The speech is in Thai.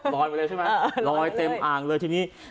มาเลยใช่ไหมลอยเต็มอ่างเลยทีนี้